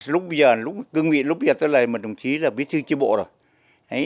lúc bây giờ lúc bây giờ tôi là một đồng chí là biết chư chư bộ rồi